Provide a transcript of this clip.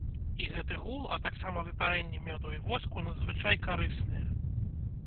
І гэты гул, а таксама выпарэнні мёду і воску надзвычай карысныя.